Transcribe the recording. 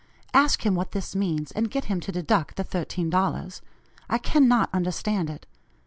Ask him what this means, and get him to deduct the $13. I cannot understand it.